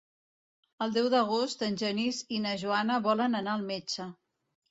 El deu d'agost en Genís i na Joana volen anar al metge.